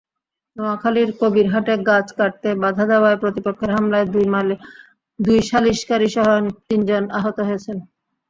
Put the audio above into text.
নোয়াখালীর কবিরহাটে গাছ কাটতে বাধা দেওয়ায় প্রতিপক্ষের হামলায় দুই সালিসকারীসহ তিনজন আহত হয়েছেন।